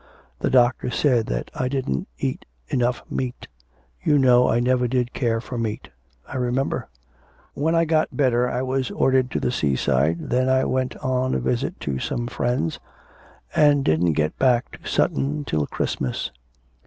The doctor said that I didn't eat enough meat. You know I never did care for meat.' 'I remember.' 'When I got better I was ordered to the seaside, then I went on a visit to some friends and didn't get back to Sutton till Christmas.